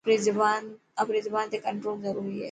آپري زبان تي ڪنٽرول ضروري هي.